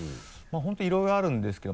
本当にいろいろあるんですけど。